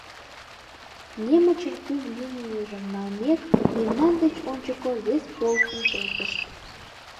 Немычын кум линийжым налмек, мемнан деч ончыко вес полкым колтышт.